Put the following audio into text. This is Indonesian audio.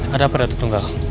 ada apa ada tertunggal